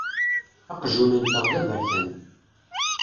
Aqjun-nteɣ d aberkan.